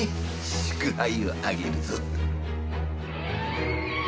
祝杯をあげるぞ。